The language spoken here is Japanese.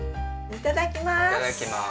いただきます！